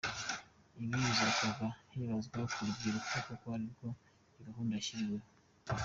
Ibi bikazakorwa hibanzwe ku rubyiruko kuko arirwo iyi gahunda yashyiriweho.